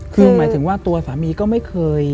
คือหมายถึงว่าตัวสามีก็ไม่เคย